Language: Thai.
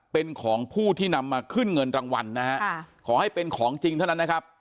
เป็นของผู้ที่นำมาขึ้นเงินรางวัลนะฮะขอให้เป็นของจริงเท่านั้นนะครับ